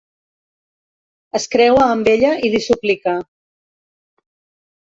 Es creua amb ella i li suplica.